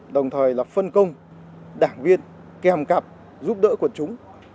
đồng thời là phân công đảng viên kèm cặp giúp đỡ quần chúng